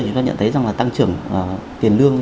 chúng ta nhận thấy rằng là tăng trưởng tiền lương